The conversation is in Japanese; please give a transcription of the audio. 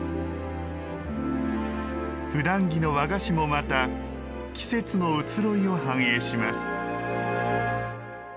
ふだん着の和菓子もまた季節の移ろいを反映します。